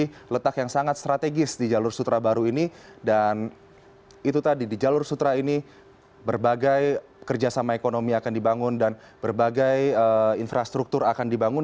ini adalah letak yang sangat strategis di jalur sutra baru ini dan itu tadi di jalur sutra ini berbagai kerjasama ekonomi akan dibangun dan berbagai infrastruktur akan dibangun